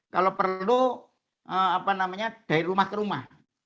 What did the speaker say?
kalau perlu dari rumah ke rumah